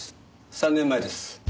３年前です。